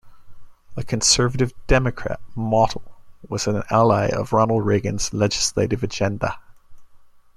A conservative Democrat, Mottl was an ally of Ronald Reagan's legislative agenda.